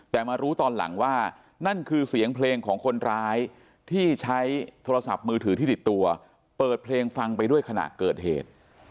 แต่มารู้ตอนหลังว่านั่นคือเสียงเพลงของคนร้ายที่ใช้โทรศัพท์มือถือที่ติดตัวเปิดเพลงฟังไปด้วยขณะเกิดเหตุ